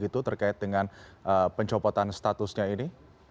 tentang pencopotan statusnya ini